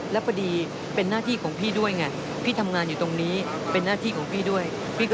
แล้วพอดีเป็นหน้าที่ของพี่ด้วย